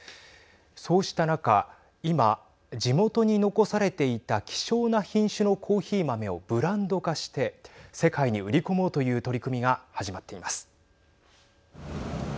そうした中今、地元に残されていた希少な品種のコーヒー豆をブランド化して世界に売り込もうという取り組みが始まっています。